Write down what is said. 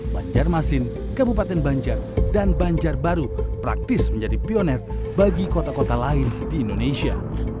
banjarmasin kabupaten banjar dan banjarbaru praktis menjadi pioner bagi kota kota lain di indonesia